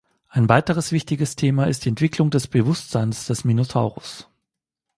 Ein weiteres wichtiges Thema ist die Entwicklung des Bewusstseins des Minotauros.